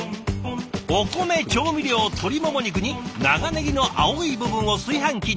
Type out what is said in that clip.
お米調味料鶏もも肉に長ネギの青い部分を炊飯器に入れるだけ。